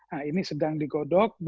nah ini sedang digodok